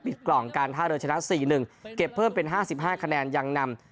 ปิดกล่องกันท่าเรือชนะสี่หนึ่งเก็บเพิ่มเป็นห้าสิบห้าคะแนนยังนำ